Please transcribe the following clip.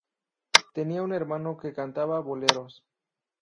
Tenía un hermano que cantaba boleros.